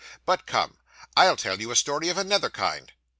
But come! I'll tell you a story of another kind.